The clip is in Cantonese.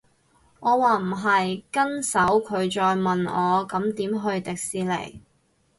我話唔係，跟手佢再問我咁點去迪士尼